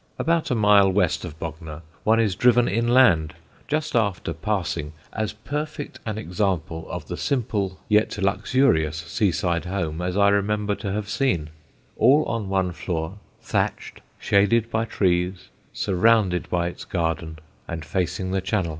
About a mile west of Bognor one is driven inland, just after passing as perfect an example of the simple yet luxurious seaside home as I remember to have seen: all on one floor, thatched, shaded by trees, surrounded by its garden and facing the Channel.